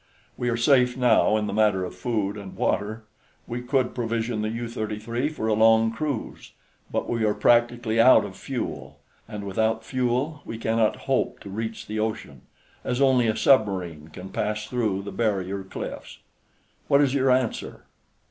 We are safe now in the matter of food and water; we could provision the U 33 for a long cruise; but we are practically out of fuel, and without fuel we cannot hope to reach the ocean, as only a submarine can pass through the barrier cliffs. What is your answer?"